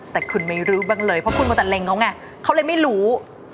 แต่คุณไม่รู้บ้างเลยเพราะคุณมาตัดเล็งเขาไงเขาเลยไม่รู้